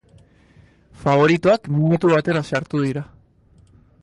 Faboritoak minutu batera sartu dira.